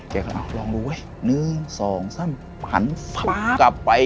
แกก็ลองดูเว้ย๑๒๓หันฟ้ากลับไป